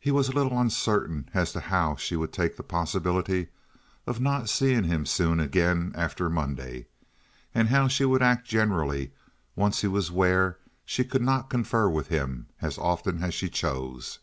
He was a little uncertain as to how she would take the possibility of not seeing him soon again after Monday, and how she would act generally once he was where she could not confer with him as often as she chose.